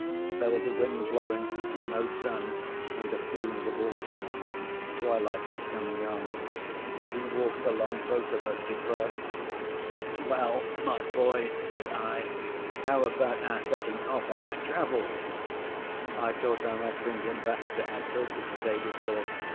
There was a wind blowing and no sun, and a feeling of autumn; twilight was coming on. We walked along, both of us depressed. 'Well, my boy,' said I, 'how about our setting off on our travels?' I thought I might bring him back to our talk of the day before.